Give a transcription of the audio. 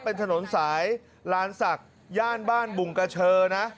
เป็นถนนสายลานศักดิ์ย่านบ้านบุงกระเชอนะ